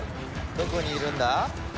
どこにいるんだ。